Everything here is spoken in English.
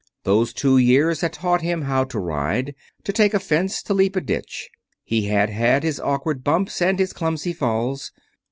Those two years had taught him how to ride; to take a fence; to leap a ditch. He had had his awkward bumps, and his clumsy falls.